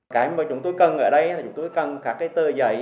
cái mà chúng tôi cần ở đây là chúng tôi cần các cái tờ giấy